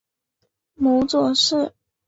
母左氏。